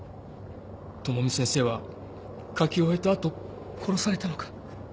智美先生は書き終えたあと殺されたのか。